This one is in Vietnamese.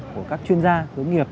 của các chuyên gia tướng nghiệp